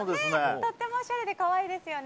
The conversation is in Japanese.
とてもおしゃれで可愛いですよね。